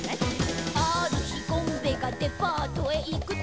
「ある日ゴンベがデパートへ行くと」